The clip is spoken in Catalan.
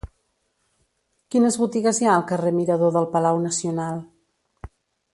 Quines botigues hi ha al carrer Mirador del Palau Nacional?